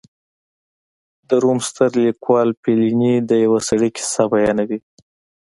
د روم ستر لیکوال پیلني د یوه سړي کیسه بیانوي